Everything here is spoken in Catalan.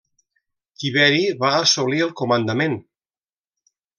Tiberi va assolir el comandament.